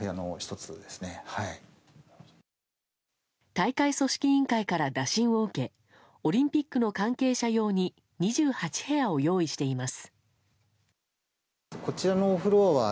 大会組織委員会から打診を受けオリンピックの関係者用に２８部屋を用意しています。